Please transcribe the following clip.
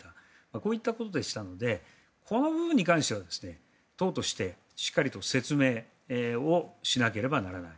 こういったことでしたのでこの部分に関しては党としてしっかり説明しなければならない。